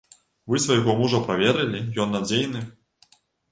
Вы свайго мужа праверылі, ён надзейны?